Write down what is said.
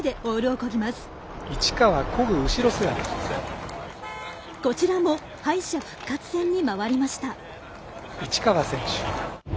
こちらも敗者復活戦にまわりました。